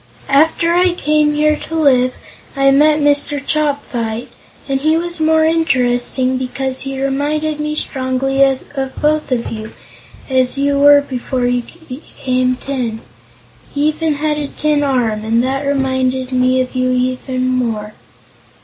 After I came here to live, I met Mr. Chopfyt, and he was the more interesting because he reminded me strongly of both of you, as you were before you became tin. He even had a tin arm, and that reminded me of you the more.